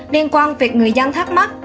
liên quan việc người dân thắc mắc